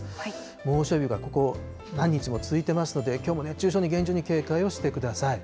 猛暑日がここ何日も続いてますので、きょうも熱中症に厳重に警戒をしてください。